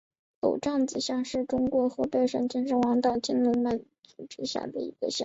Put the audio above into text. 娄杖子乡是中国河北省秦皇岛市青龙满族自治县下辖的一个乡。